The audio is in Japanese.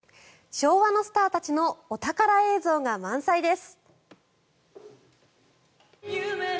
昭和のスターたちのお宝映像が満載です。